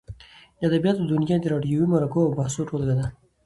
د ادبیاتو دونیا د راډیووي مرکو او بحثو ټولګه ده.